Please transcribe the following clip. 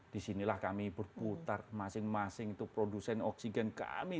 disinilah kami berputar masing masing itu produsen oksigen kami